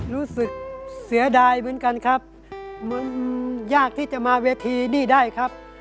รู้สึกเสียดายเหมือนกันครับมันยากที่จะมาเวทีนี่ได้ครับ